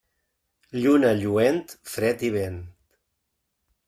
Lluna lluent, fred i vent.